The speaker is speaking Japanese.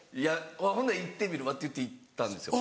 「ほんなら行ってみるわ」っていって行ったんですよ。